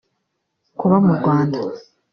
Kuba mu Rwanda